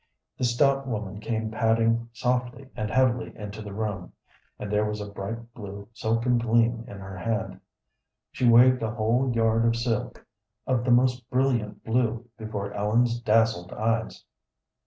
The stout woman came padding softly and heavily into the room, and there was a bright blue silken gleam in her hand. She waved a whole yard of silk of the most brilliant blue before Ellen's dazzled eyes.